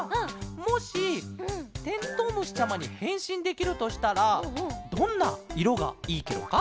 もしてんとうむしちゃまにへんしんできるとしたらどんないろがいいケロか？